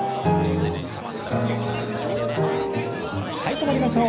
止まりましょう。